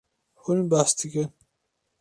Hûn behs dikin.